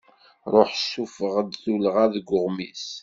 Ruḥ sufeɣ-d tullɣa deg uɣmis.